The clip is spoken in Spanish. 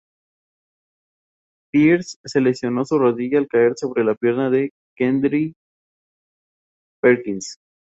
Pierce se lesionó su rodilla al caer sobre la pierna de Kendrick Perkins.